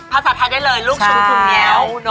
ภาษาไทยได้เลยลูกชุมแง๊ว